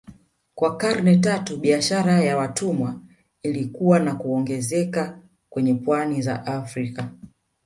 Kwa karne tatu biashara ya watumwa ilikua na kuongezeka kwenye pwani za Afrika